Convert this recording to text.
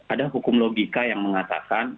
ada hukum logika yang mengatakan